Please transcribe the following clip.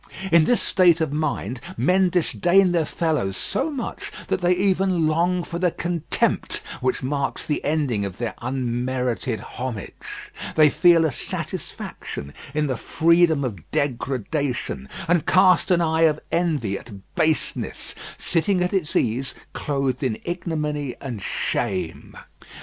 In this state of mind men disdain their fellows so much that they even long for the contempt which marks the ending of their unmerited homage. They feel a satisfaction in the freedom of degradation, and cast an eye of envy at baseness, sitting at its ease, clothed in ignominy and shame.